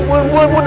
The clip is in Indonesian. ampun ampun ampun